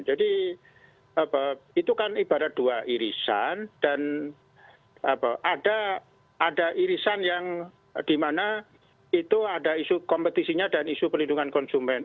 jadi itu kan ibarat dua irisan dan ada irisan yang dimana itu ada isu kompetisinya dan isu perlindungan konsumen